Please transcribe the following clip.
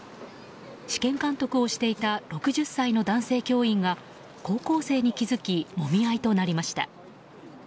試験監督をしていた６０歳の男性教員が高校生に気づきもみ合いとなりました。